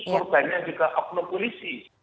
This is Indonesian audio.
murbanya juga oknopulisi